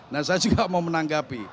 nah saya juga mau menanggapi